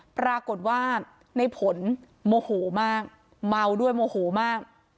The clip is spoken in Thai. ปรากฏว่าในผลโมโหมากเมาด้วยโมโหมาก